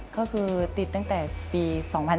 ก็คือติดตั้งแต่ปี๒๕๕๙